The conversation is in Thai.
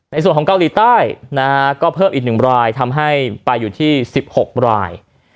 ในส่วนของเกาหลีใต้นะฮะก็เพิ่มอีก๑รายทำให้ไปอยู่ที่๑๖ราย